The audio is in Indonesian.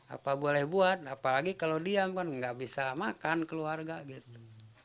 apa boleh buat apalagi kalau diam kan nggak bisa makan keluarga gitu